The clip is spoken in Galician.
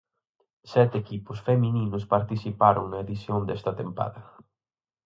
Sete equipos femininos participaron na edición desta tempada.